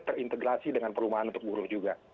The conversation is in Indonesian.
terintegrasi dengan perumahan untuk buruh juga